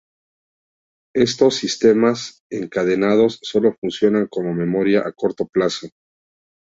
Estos sistemas encadenados solo funcionan como memoria a corto plazo.